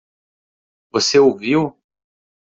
Você o viu?